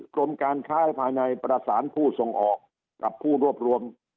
กรมการค้าภายในประสานผู้ส่งออกกับผู้รวบรวม